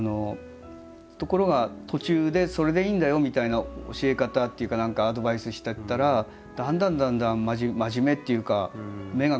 ところが途中でそれでいいんだよみたいな教え方というか何かアドバイスしてったらだんだんだんだん真面目っていうか目が輝いてきて。